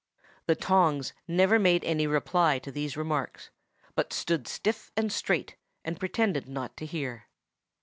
The tongs never made any reply to these remarks, but stood stiff and straight, and pretended not to hear.